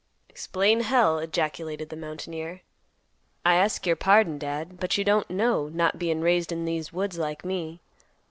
"Explain, hell!" ejaculated the mountaineer. "I ask your pardon, Dad; but you don't know, not being raised in these woods like me.